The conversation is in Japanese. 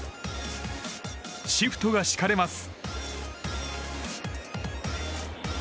シフトが敷かれます。